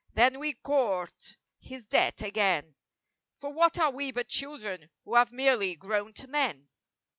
Then we court his debt again, For what are we but children who have merely grown to men!